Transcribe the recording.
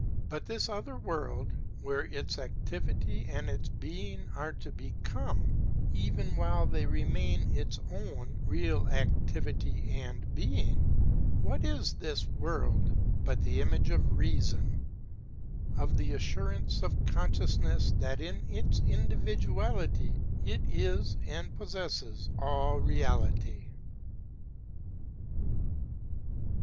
But this other world, where its activity and its being are to become, even while they remain its own, real activity and being, — what is this world but the image of REASON, — of the assurance of Consciousness that in its individuality it is and possesses all Reality?